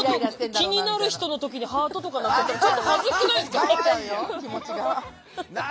気になる人の時にハートとかになっちゃったらちょっと恥ずくないですか？